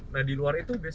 nah di luar itu